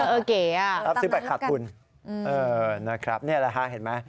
เออเก๋อรับซื้อ๑๘ขาดคุณนะครับนี่แหละค่ะเห็นไหม